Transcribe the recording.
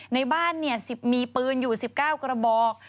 ในบ้านมีปืนอยู่๑๙กระบอก